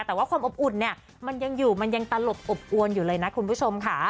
แต่ว่าความอบอุ่นเนี่ยมันยังอยู่มันยังตลบอบอวนอยู่เลยนะคุณผู้ชมค่ะ